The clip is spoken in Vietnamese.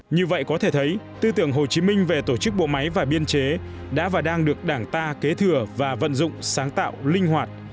như vậy có thể thấy tư tưởng hồ chí minh về tổ chức bộ máy và biên chế đã và đang được đảng ta kế thừa và vận dụng sáng tạo linh hoạt